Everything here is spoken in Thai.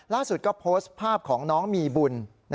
ล่าสุดก็โพสต์ภาพของน้องมีบุญ